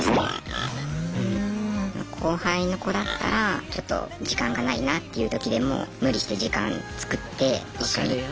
後輩の子だったらちょっと時間がないなっていうときでも無理して時間作って分かるよ。